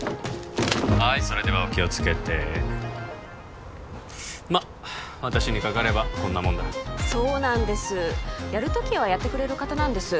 はいそれではお気をつけてまっ私にかかればこんなもんだそうなんですやる時はやってくれる方なんです